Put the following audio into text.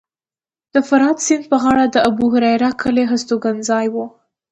د فرات سیند په غاړه د ابوهریره کلی هستوګنځی و